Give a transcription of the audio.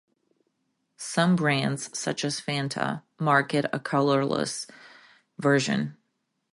Some brands, such as Fanta, market a colorless version.